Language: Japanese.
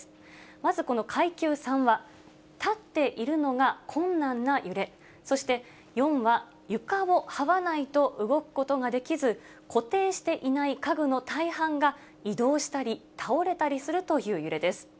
まずこの階級３は、立っているのが困難な揺れ、そして４は床をはわないと動くことができず、固定していない家具の大半が、移動したり、倒れたりする揺れです。